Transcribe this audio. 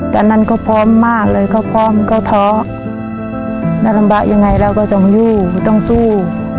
ตอนนั้นก็พร้อมมากเลยเขาพร้อมก็ท้อถ้าลำบากยังไงเราก็ต้องอยู่ต้องสู้